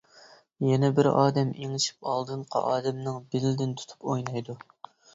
يەنە بىرى ئادەم ئېڭىشىپ ئالدىنقى ئادەمنىڭ بېلىدىن تۇتۇپ ئوينايدۇ.